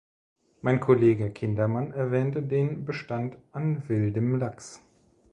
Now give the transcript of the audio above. Mein Kollege Kindermann erwähnte den Bestand an wildem Lachs.